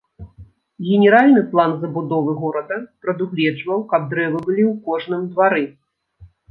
Генеральны план забудовы горада прадугледжваў, каб дрэвы былі ў кожным двары.